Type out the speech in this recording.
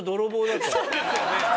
そうですよね。